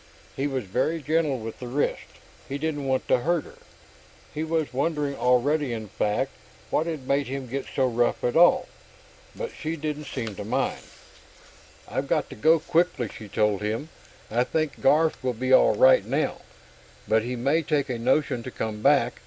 He was very gentle with the wrist. He didn't want to hurt her; he was wondering already, in fact, what had made him get so rough at all. But she didn't seem to mind. "I've got to go quickly," she told him. "I think Garf will be all right now, but he may take a notion to come back.